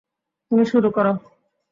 তুমি শুরু করো।